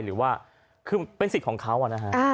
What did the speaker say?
หรือว่าคือเป็นสิทธิ์ของเขานะฮะ